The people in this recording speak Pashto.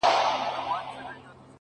د جنت د حورو ميري، جنت ټول درته لوگی سه،